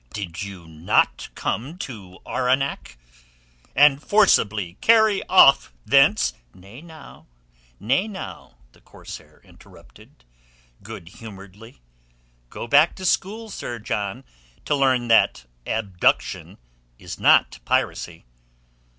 "Did you not come to Arwenack and forcibly carry off thence...." "Nay, now, nay, now," the corsair interrupted, good humouredly. "Go back to school, Sir John, to learn that abduction is not piracy."